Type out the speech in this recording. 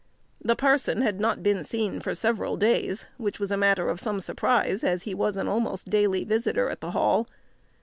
The parson had not been seen for several days, which was a matter of some surprise, as he was an almost daily visitor at the Hall.